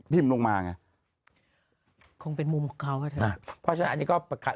พิมพ์ลงมาไงคงเป็นมุมเขานะเถอะอ่ะเพราะฉะนั้นอันนี้ก็ประกัด